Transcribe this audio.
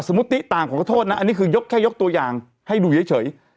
มุติต่างขอโทษนะอันนี้คือยกแค่ยกตัวอย่างให้ดูเฉย